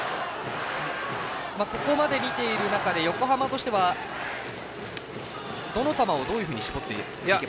ここまで見ている中で横浜としてはどの球をどういうふうに絞っていけばいいですか？